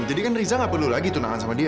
jadi kan riza gak perlu lagi tunangan sama dia